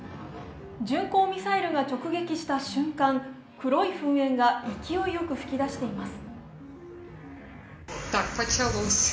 巡航ミサイルが直撃した瞬間、黒い噴煙が勢いよく噴き出しています。